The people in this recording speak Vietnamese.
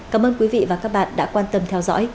cảm ơn quý vị và các bạn đã quan tâm theo dõi